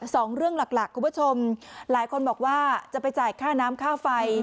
สองเรื่องหลักหลักคุณผู้ชมหลายคนบอกว่าจะไปจ่ายค่าน้ำค่าไฟ